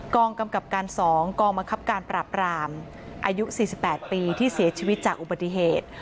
กองกำกับการ๒กองบังคับการปราบรามอายุ๔๘ปีที่เสียชีวิตจากอุบัติเหตุ